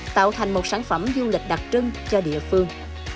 tạo thành một sản phẩm du lịch đặc trưng cho địa phương